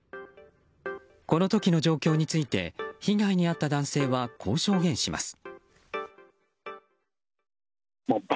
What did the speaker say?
この時の状況について被害に遭った男性はこう証言します。